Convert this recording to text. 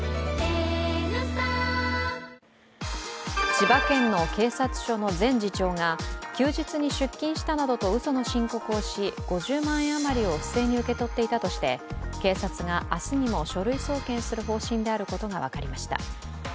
千葉県の警察署の前次長が休日に出勤したなどとうその申告をし５０万円余りを不正に受け取っていたとして警察が明日にも書類送検する方針であることが分かりました。